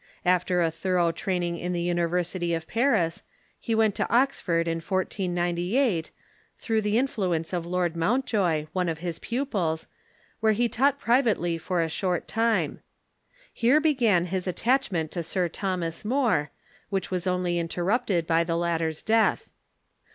After a thorough training in the University of Paris, he went to Oxford in 1498, through the influence of Lord Mountjoy, one of his pupils, where he taught privately for a short time. Here began his attachment to Sir Thomas More, which was only interrupted by the lat ter's death.